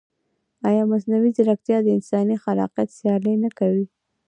ایا مصنوعي ځیرکتیا د انساني خلاقیت سیالي نه کوي؟